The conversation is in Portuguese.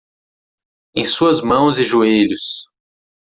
Em suas mãos e joelhos!